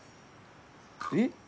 えっ？